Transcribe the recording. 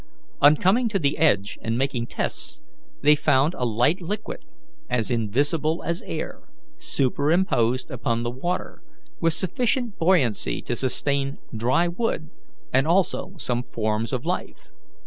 On coming to the edge and making tests, they found a light liquid, as invisible as air, superimposed upon the water, with sufficient buoyancy to sustain dry wood and also some forms of life.